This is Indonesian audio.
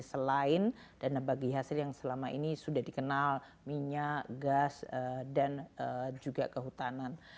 selain dana bagi hasil yang selama ini sudah dikenal minyak gas dan juga kehutanan